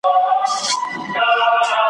يو او بل ته په خبرو په كيسو سو `